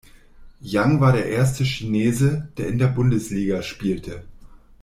Yang war der erste Chinese, der in der Bundesliga spielte.